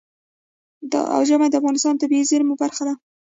ژمی د افغانستان د طبیعي زیرمو برخه ده.